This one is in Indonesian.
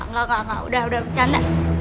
gak gak gak udah udah bercanda